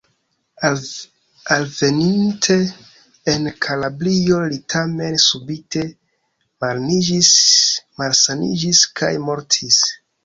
Alveninte en Kalabrio li tamen subite malsaniĝis kaj mortis.